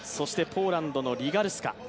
ポーランドのリガルスカ。